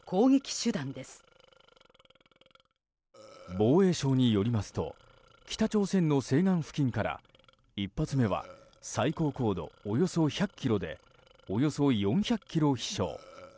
防衛省によりますと北朝鮮の西岸付近から１発目は最高高度およそ１００ｋｍでおよそ４００ｋｍ飛翔。